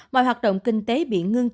mọi hoạt động kinh tế bị ngưng trệ